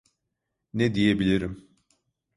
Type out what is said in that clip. Ne diyebilirim?